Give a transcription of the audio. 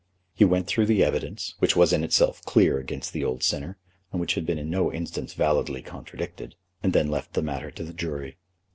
He went through the evidence, which was in itself clear against the old sinner, and which had been in no instance validly contradicted, and then left the matter to the jury.